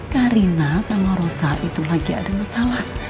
karina sama rosa itu lagi ada masalah